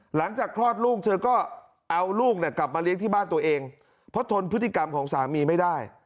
หลังจากคลอดลูกเธอก็เอาลูกกลับมาเลี้ยงที่บ้านตัวเองเพราะทนพฤติกรรมของสามีไม่ได้